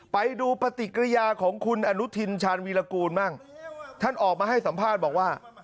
ไปดูปฏิกิริยาของคุณอนุทินชาญวีรกูลบ้างท่านออกมาให้สัมภาษณ์บอกว่า